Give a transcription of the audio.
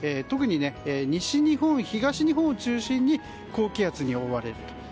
特に西日本、東日本を中心に高気圧に覆われると。